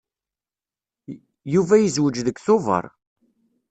Yuba yezweǧ deg Tubeṛ.